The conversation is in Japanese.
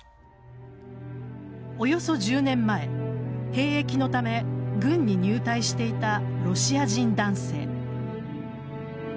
およそ１０年前、兵役のため軍に入隊していたロシア人男性。